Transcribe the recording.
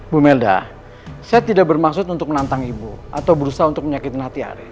bu melda saya tidak bermaksud untuk menantang ibu atau berusaha untuk menyakiti hati